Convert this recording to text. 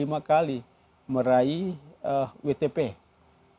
di bidang tatah kelola keuangan kota jayapura lima kali